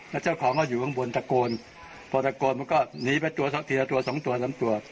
แล้วเจ้าของก็อยู่ข้างบนตะโกนพอตะโกนมันก็หนีไปตัวทีละตัวสองตัวลำตัว